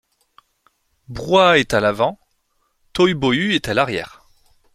Brouhaha est à l’avant, Tohubohu est à l’arrière.